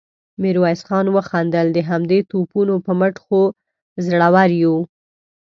ميرويس خان وخندل: د همدې توپونو په مټ خو زړور يو.